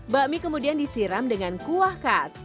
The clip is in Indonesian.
bakmi kemudian disiram dengan kuah khas